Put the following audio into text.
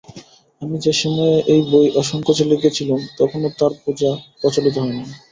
আমি যে-সময়ে এই বই অসংকোচে লিখেছিলুম তখনও তাঁর পূজা প্রচলিত হয় নি।